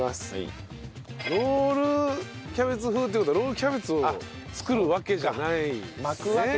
ロールキャベツ風っていう事はロールキャベツを作るわけじゃないんですね。